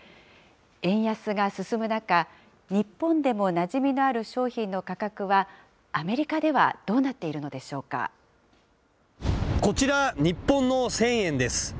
円安が進む中、日本でもなじみのある商品の価格は、アメリカではどうなっているこちら、日本の１０００円です。